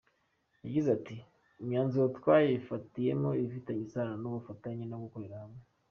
Yagize ati :« imyanzuro twayifatiyemo ifitanye isano n’ubufatanye no gukorera hamwe.